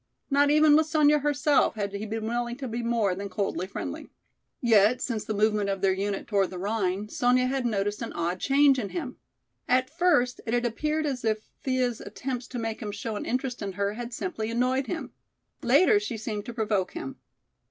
Not even with Sonya herself had he been willing to be more than coldly friendly. Yet since the movement of their unit toward the Rhine, Sonya had noticed an odd change in him. At first it had appeared as if Thea's attempts to make him show an interest in her had simply annoyed him. Later she seemed to provoke him.